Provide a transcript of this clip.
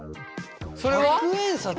それは？